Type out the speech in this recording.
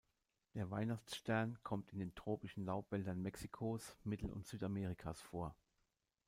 Der Weihnachtsstern kommt in den tropischen Laubwäldern Mexikos, Mittel- und Südamerikas vor.